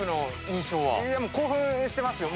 興奮してますよ。